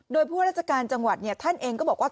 โดยผู้ราชการจังหวัดท่านเองก็บอกว่า